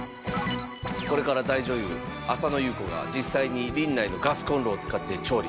これから大女優浅野ゆう子が実際にリンナイのガスコンロを使って調理。